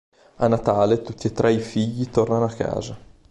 A Natale, tutti e tre i figli tornano a casa.